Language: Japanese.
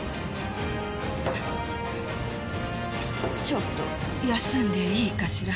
ちょっと休んでいいかしら？